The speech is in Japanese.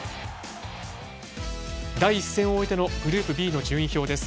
第１戦を終えてのグループＢの順位表です。